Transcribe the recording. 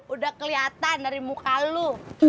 udah kelihatan dari muka lu